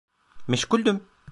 Meşguldüm.